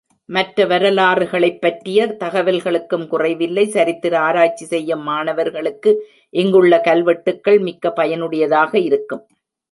மற்ற வரலாறுகளைப் பற்றிய தகவல்களுக்கும் குறைவில்லை சரித்திர ஆராய்ச்சி செய்யும் மாணவர்களுக்கு இங்குள்ள கல்வெட்டுக்கள் மிக்க பயனுடையதாக இருக்கும்.